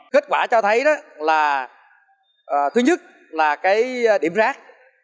kết quả cho thấy đó là thứ nhất là cái điểm rác